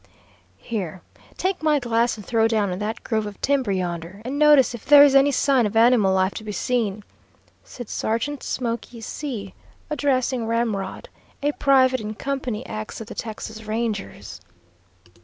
"Here, take my glass and throw down on that grove of timber yonder, and notice if there is any sign of animal life to be seen," said Sergeant "Smoky" C , addressing "Ramrod," a private in Company X of the Texas Rangers.